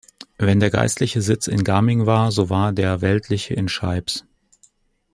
Wenn der geistliche Sitz in Gaming war, so war der weltliche in Scheibbs.